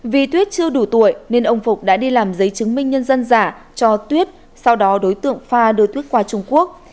vì thuyết chưa đủ tuổi nên ông phục đã đi làm giấy chứng minh nhân dân giả cho tuyết sau đó đối tượng pha đưa thuyết qua trung quốc